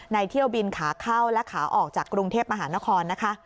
เที่ยวบินขาเข้าและขาออกจากกรุงเทพมหานครนะคะ